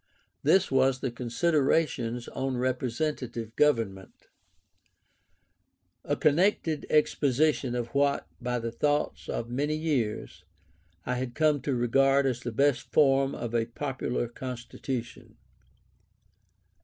This was the Considerations on Representative Government; a connected exposition of what, by the thoughts of many years, I had come to regard as the best form of a popular constitution.